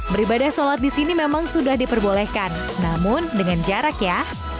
beribadah sholat di sini memang sudah diperbolehkan namun dengan jarak ya